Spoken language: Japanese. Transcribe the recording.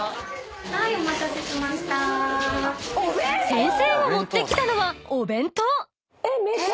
［先生が持ってきたのは］